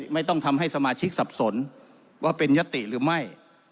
ไม่ต้องทำให้สมาชิกสับสนว่าเป็นยติหรือไม่